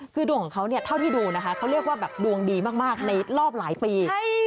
คือดวงของเขาเนี่ยเท่าที่ดูนะคะเขาเรียกว่าแบบดวงดีมากในรอบหลายปี